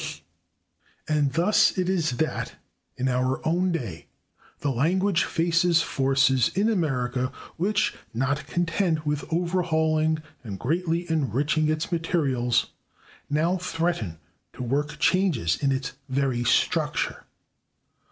And thus it is that, in our own day, the language faces forces in America which, not content with overhauling and greatly enriching its materials, now threaten to work changes in its very structure.